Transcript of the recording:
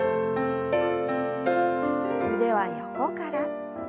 腕は横から。